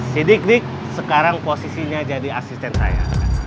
si dik dik sekarang posisinya jadi asisten saya